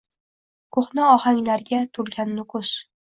Ko‘hna ohanglarga to‘lgan Nukus